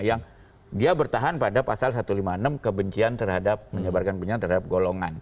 yang dia bertahan pada pasal satu ratus lima puluh enam kebencian terhadap menyebarkan kebencian terhadap golongan